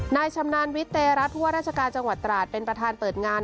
นายชำนานวิตเตะรัฐหัวราชการจังหวัดตราตรเป็นประทานเปิดงาน